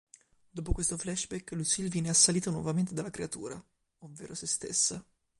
Dopo questo flashback Lucie viene "assalita" nuovamente dalla creatura, ovvero se stessa.